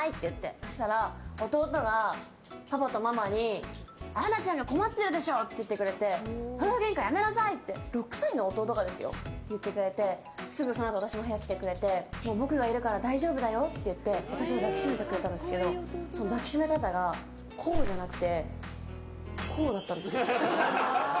そしたら弟がパパとママに杏奈ちゃんが困ってるでしょって言ってくれて夫婦げんかやめなさい！って６歳の弟がですよ言ってくれてすぐそのあと私の部屋に来てもう僕がいるから大丈夫だよって言って私を抱きしめてくれたんですけど抱きしめ方がこうじゃなくてこうだったんです。